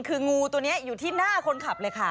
คืองูตัวนี้อยู่ที่หน้าคนขับเลยค่ะ